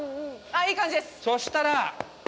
いい感じです！